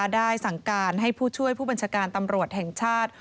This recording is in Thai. ได้สั่งการให้ผู้ช่วยผู้บัญชาการตำรวจแห่งชาติ